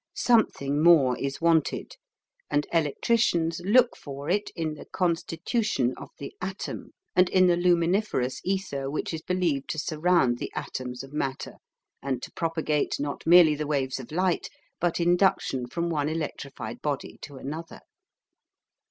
Something more is wanted, and electricians look for it in the constitution of the atom, and in the luminiferous ether which is believed to surround the atoms of matter, and to propagate not merely the waves of light, but induction from one electrified body to another.